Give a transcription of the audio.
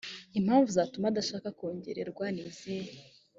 impamvu zatuma adashaka kongererwa nizihe